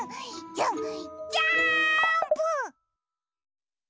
ジャンプ！！